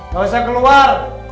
gak usah keluar